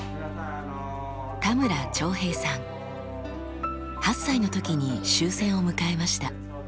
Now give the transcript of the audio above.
８歳の時に終戦を迎えました。